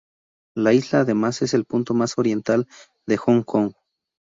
La isla además es el punto más oriental de Hong Kong.